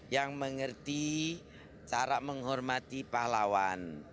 yang mengerti cara menghormati pahlawan